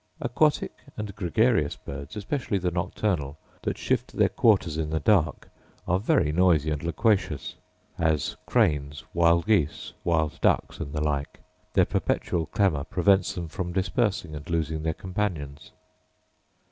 Aquatic and gregarious birds, especially the nocturnal, that shift their quarters in the dark, are very noisy and loquacious; as cranes, wild geese, wild ducks, and the like; their perpetual clamour prevents them from dispersing and losing their companions.